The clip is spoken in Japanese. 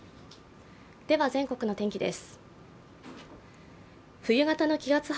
全国の天気です。